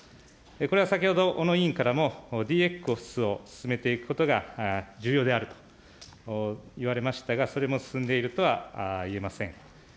これは先ほど、小野委員からもＤＸを進めていくことが重要であると言われましたが、それも進んでいるとはいえません。